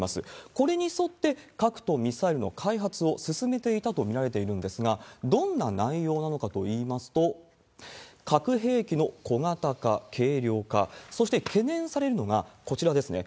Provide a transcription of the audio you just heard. これに沿って、核とミサイルの開発を進めていたと見られているんですが、どんな内容なのかといいますと、核兵器の小型化、軽量化、そして懸念されるのがこちらですね。